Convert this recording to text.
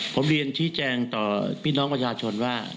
ผมเรียนชี้แจงต่อพี่น้องประชาชนว่า